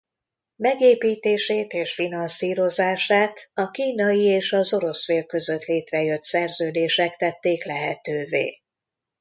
Megépítését és finanszírozását a kínai és az orosz fél között létrejött szerződések tették lehetővé.